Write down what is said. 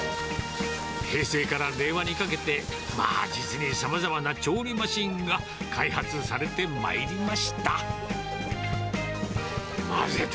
平成から令和にかけて、まあ実にさまざまな調理マシンが開発されてまいりました。